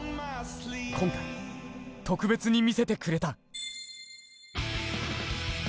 今回、特別に見せてくれた。